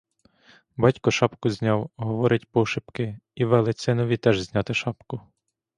Батько шапку зняв, говорить пошепки — і велить синові теж зняти шапку.